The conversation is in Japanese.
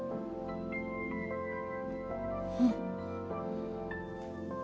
うん。